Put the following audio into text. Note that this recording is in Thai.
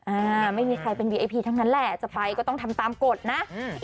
อ่าไม่มีใครเป็นวีไอพีทั้งนั้นแหละจะไปก็ต้องทำตามกฎนะอืม